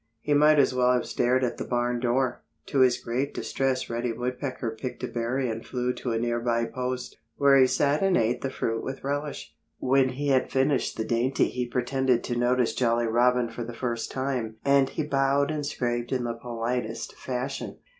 He might as well have stared at the barn door. To his great distress Reddy Woodpecker picked a berry and flew to a near by post, where he sat and ate the fruit with relish. When he had finished the dainty he pretended to notice Jolly Robin for the first time and he bowed and scraped in the politest fashion.